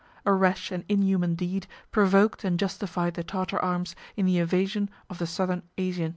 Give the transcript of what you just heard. A rash and inhuman deed provoked and justified the Tartar arms in the invasion of the southern Asia.